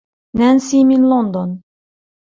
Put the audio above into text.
نانسي من لندن.